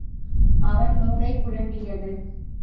அவன் மூளை குழம்பியது.